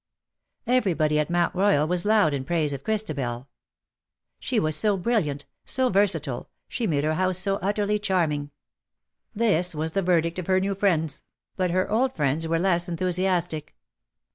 Everybody at Mount Royal was loud in praise of Christabel. She was so brilliant, so versatile, she made her house so utterly charming. This was the verdict of her new friends — but her old friends were less enthusiastic.